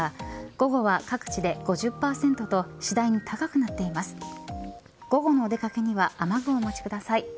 午後のお出掛けには雨具をお持ちください。